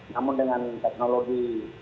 namun dengan teknologi